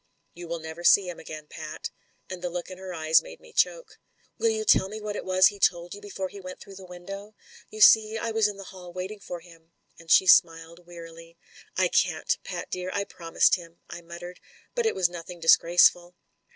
"You will never see him again, Pat," and the look in her eyes made me choke. "Will you tell me what it was he told you before he went through the window? You see, I was in the hall waiting for him," and she smiled wearily. I20 MEN, WOMEN AND GUNS I can't, Pat dear; I promised him/' I muttered. "But it was nothing disgraceful."